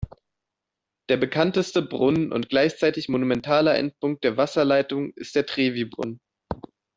Der bekannteste Brunnen und gleichzeitig monumentaler Endpunkt der Wasserleitung ist der Trevi-Brunnen.